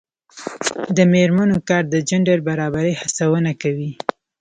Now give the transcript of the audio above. د میرمنو کار د جنډر برابرۍ هڅونه کوي.